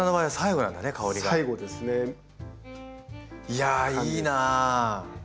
いやいいなあ！